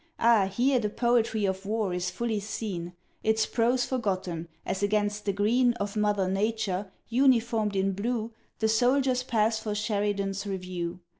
Ah, here The poetry of war is fully seen, Its prose forgotten; as against the green Of Mother Nature, uniformed in blue, The soldiers pass for Sheridan's review.